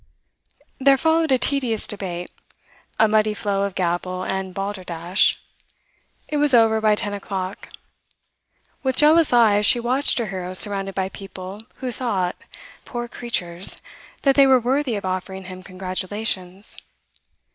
There followed a tedious debate, a muddy flow of gabble and balderdash. It was over by ten o'clock. With jealous eyes she watched her hero surrounded by people who thought, poor creatures, that they were worthy of offering him congratulations.